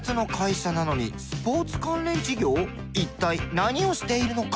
一体何をしているのか？